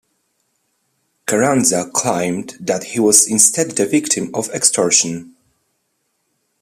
Carranza claimed that he was instead the victim of extortion.